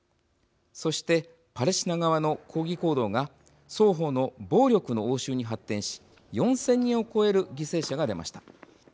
そしてパレスチナ側の抗議行動が双方の暴力の応酬に発展し４千人を超える犠牲者が出ました。